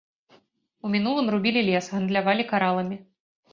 У мінулым рубілі лес, гандлявалі караламі.